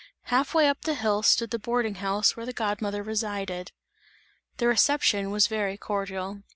Half way up the hill stood the boarding house where the god mother resided. The reception was very cordial.